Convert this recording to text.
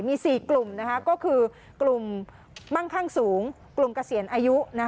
มี๔กลุ่มก็คือกลุ่มมั่งข้างสูงกลุ่มเกษียณอายุ